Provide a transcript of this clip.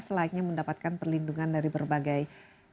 selainnya mendapatkan perlindungan dari berbagai intervensi